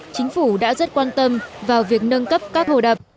chính phủ đã rất quan tâm vào việc nâng cấp các hồ đập